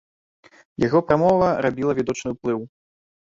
Яго прамова рабіла відочны ўплыў.